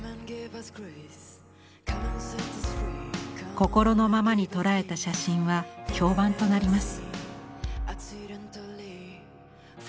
心のままに捉えた写真は評判となります。